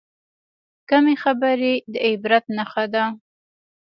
کمې خبرې، د عبرت نښه ده.